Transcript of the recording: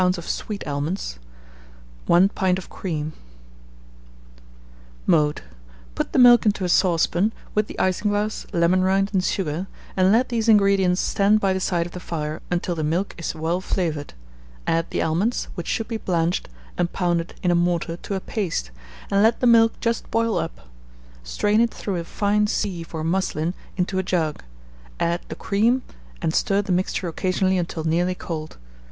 of sweet almonds, 1 pint of cream. [Illustration: BLANC MANGE MOULD.] Mode. Put the milk into a saucepan, with the isinglass, lemon rind, and sugar, and let these ingredients stand by the side of the fire until the milk is well flavoured; add the almonds, which should be blanched and pounded in a mortar to a paste, and let the milk just boil up; strain it through a fine sieve or muslin into a jug, add the cream, and stir the mixture occasionally until nearly cold.